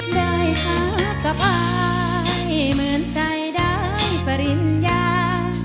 ได้หากับอายเหมือนใจได้ปริญญา